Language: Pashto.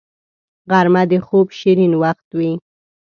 غرمه د خوب شیرین وخت وي